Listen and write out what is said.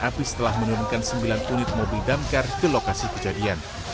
api setelah menurunkan sembilan unit mobil damkar ke lokasi kejadian